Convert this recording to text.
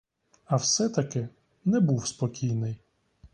А все-таки не був спокійний.